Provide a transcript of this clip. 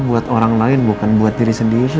buat orang lain bukan buat diri sendiri